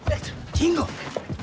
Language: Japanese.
金吾！